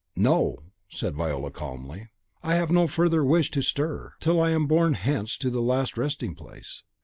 "No," said Viola, calmly; "I have no further wish to stir, till I am born hence to the last resting place.